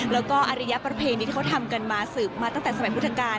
แล้วก็อริยประเพณีที่เขาทำกันมาสืบมาตั้งแต่สมัยพุทธกาล